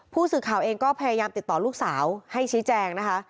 ผู้สื่อข่าวเองก็พยายามติดต่อลูกสาวให้ชี้แจงนะคะ